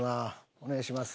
お願いします。